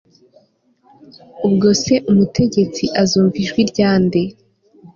ubwo se umutegetsi azumva ijwi rya nde